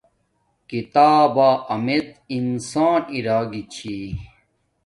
کتابا امیڎ انسان ارا گی چھی